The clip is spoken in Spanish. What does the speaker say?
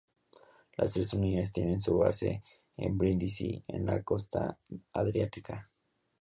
Las tres unidades tienen su base en Brindisi, en la costa adriática.